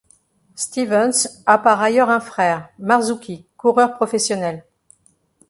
Stevens a par ailleurs un frère, Marzuki, coureur professionnel.